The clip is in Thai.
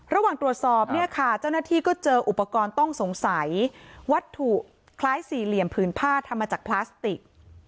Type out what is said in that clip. ระหว่างตรวจสอบเนี่ยค่ะเจ้าหน้าที่ก็เจออุปกรณ์ต้องสงสัยวัตถุคล้ายสี่เหลี่ยมผืนผ้าทำมาจากพลาสติก